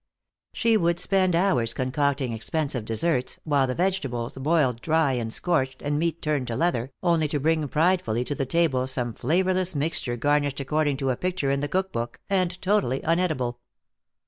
She would spend hours concocting expensive desserts, while the vegetables boiled dry and scorched and meat turned to leather, only to bring pridefully to the table some flavorless mixture garnished according to a picture in the cook book, and totally unedible.